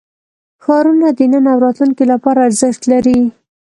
ښارونه د نن او راتلونکي لپاره ارزښت لري.